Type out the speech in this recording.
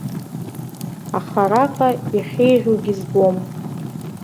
Аха араҟа иахьеиӷьугьы збом.